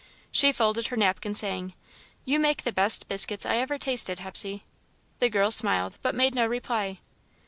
She folded her napkin, saying: "You make the best biscuits I ever tasted, Hepsey." The girl smiled, but made no reply.